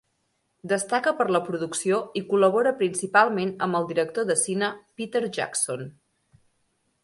Destaca per la producció i col·labora principalment amb el director de cine Peter Jackson.